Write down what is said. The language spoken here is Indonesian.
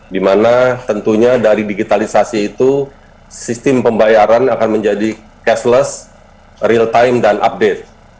dimana tentunya dari digitalisasi itu sistem pembayaran akan menjadi cashless real time dan update